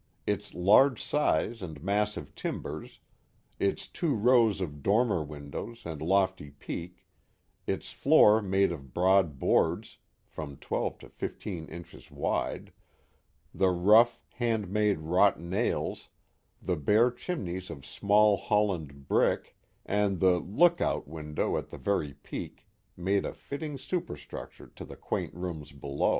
Its large size and massive timbers, its two rows of dormer windows and lofty peak, its floor made of broad boards (from twelve to fifteen inches wide), the rough, hand made wrought nails, the bare chimneys of small Holland brick, and the lookout" window at the very peak, made a fitting superstructure to the quaint rooms below.